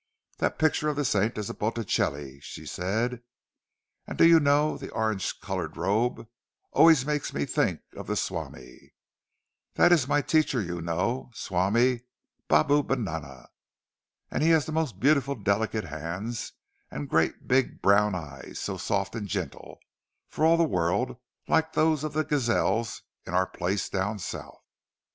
"That picture of the saint is a Botticelli," she said. "And do you know, the orange coloured robe always makes me think of the swami. That is my teacher, you know—Swami Babubanana. And he has the most beautiful delicate hands, and great big brown eyes, so soft and gentle—for all the world like those of the gazelles in our place down South!"